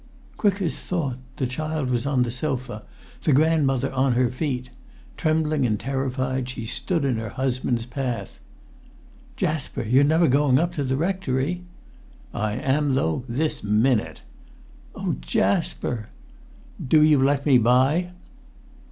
Quick as thought the child was on the sofa, the grandmother on her feet. Trembling and terrified, she stood in her husband's path. "Jasper! You're never going up to the rectory?" "I am, though—this minute!" "Oh, Jasper!" "Do you let me by."